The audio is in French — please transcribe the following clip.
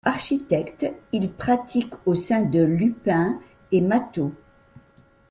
Architecte, il pratique au sein de Lupien et Matteau.